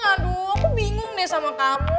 aduh aku bingung deh sama kamu